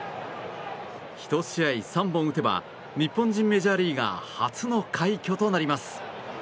１試合３本打てば日本人メジャーリーガー初の快挙となります。